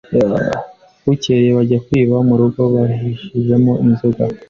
Bukeye bajya kwiba mu rugo bahishijemo inzoga